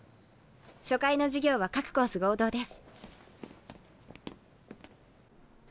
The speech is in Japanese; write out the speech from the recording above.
初回の授業は各コース合同です。